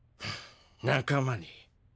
仲間に。